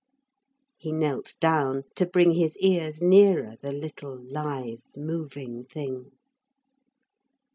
He knelt down to bring his ears nearer the little live moving thing.